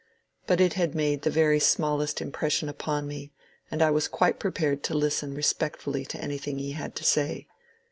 But it had made the very smallest impression upon me, and I was quite prepared to listen respectfully to anything he had to say.